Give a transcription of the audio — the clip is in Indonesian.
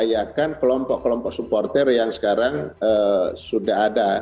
kita juga memperdayakan kelompok kelompok supporter yang sekarang sudah ada